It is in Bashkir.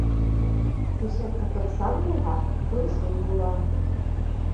Кеше ҡытыҡсан булһа, көнсөл була.